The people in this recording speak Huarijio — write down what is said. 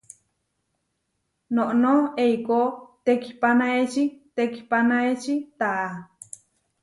Noʼnó eikó tekihpanaeči tekihpanaeči taʼa.